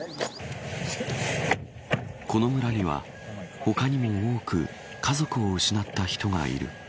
この村には他にも多く家族を失った人がいる。